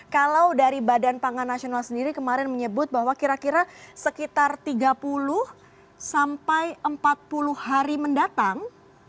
kalau dari badan pangan nasional sendiri kemarin menyebut bahwa kira kira sekitar tiga puluh sampai empat puluh hari mendatang